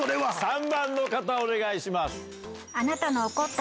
３番の方お願いします。